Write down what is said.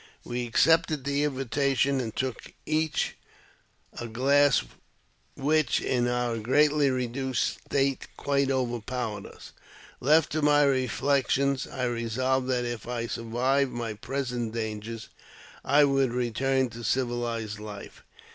We accepted the invitation, and took each a glass, which, in our greatly reduced state, quite overpowered us. Left to my reflections, I resolved that, if I survived my present dangers, I would return to civilized life.